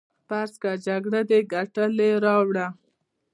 فرض کړه جګړه دې ګټلې راوړه.